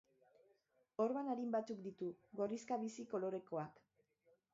Orban arin batzuk ditu, gorrixka bizi kolorekoak.